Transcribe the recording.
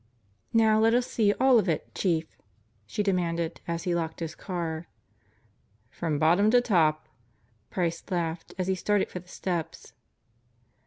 "Now let us see all of it, Chief," she demanded as he locked his car. "From bottom to top." Price laughed as he started for the steps.